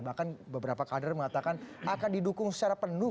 bahkan beberapa kader mengatakan akan didukung secara penuh